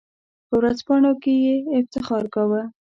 په ورځپاڼو کې یې افتخار کاوه.